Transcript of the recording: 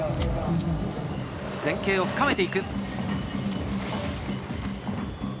前傾を深めていく。